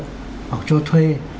hoặc cho thuê